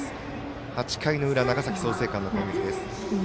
８回の裏、長崎創成館の攻撃です。